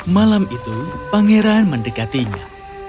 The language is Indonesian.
malam itu pangeran mendekatinya